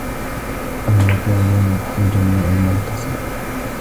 أَم يَقولونَ نَحنُ جَميعٌ مُنتَصِرٌ